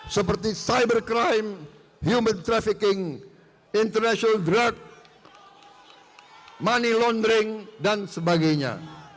seperti cybercrime human trafficking international drag money laundering dan sebagainya